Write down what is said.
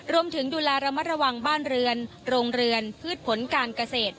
ดูแลระมัดระวังบ้านเรือนโรงเรือนพืชผลการเกษตร